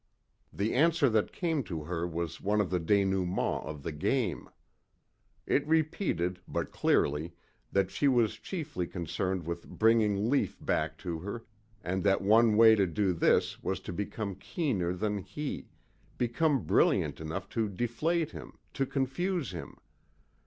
The answer that came to her was one of the denouements of the game. It repeated, but clearly, that she was chiefly concerned with bringing Lief back to her and that one way to do this was to become keener than he, become brilliant enough to deflate him, to confuse him.